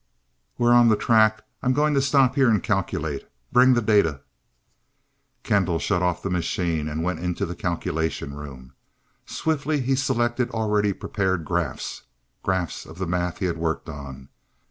"We're on the track I'm going to stop here, and calculate. Bring the data " Kendall shut off the machine, and went to the calculation room. Swiftly he selected already prepared graphs, graphs of the math he had worked on.